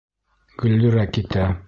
Гөллирә китә.